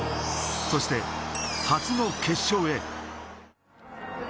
そして初の決勝へ。